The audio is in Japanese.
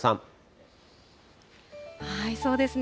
そうですね。